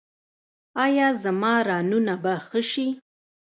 ایا زما رانونه به ښه شي؟